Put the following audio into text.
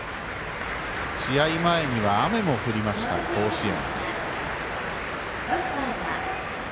試合前には雨も降りました甲子園。